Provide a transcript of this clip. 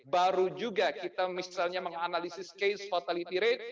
baru juga kita misalnya menganalisis case fatality rate